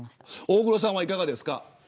大黒さんは、いかがですか。